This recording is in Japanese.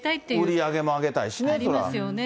売り上げも上げたいしね、ありますよね。